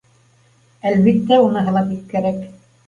Әлбиттә, уныһы ла бик кәрәк